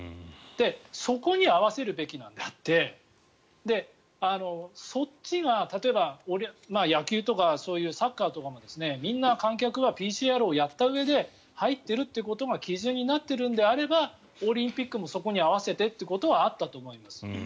そこに合わせるべきであってそっちが例えば、野球とかサッカーとかもみんな、観客はＰＣＲをやったうえで入っているということが基準になっているのであればオリンピックもそこに合わせてということはあったと思います。